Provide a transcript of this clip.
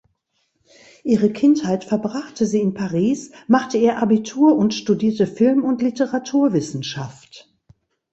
Ihre Kindheit verbrachte sie in Paris, machte ihr Abitur und studierte Film- und Literaturwissenschaft.